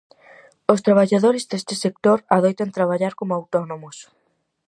Os traballadores deste sector adoitan traballar como autónomos.